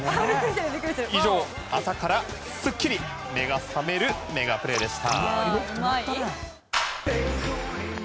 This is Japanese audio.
以上、朝からすっきり目が覚めるメガプレでした。